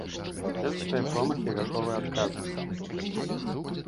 Я за свае промахі гатовы адказваць.